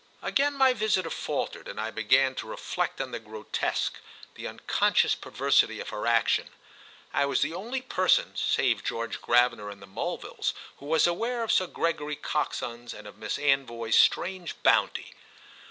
Again my visitor faltered, and I began to reflect on the grotesque, the unconscious perversity of her action. I was the only person save George Gravener and the Mulvilles who was aware of Sir Gregory Coxon's and of Miss Anvoy's strange bounty.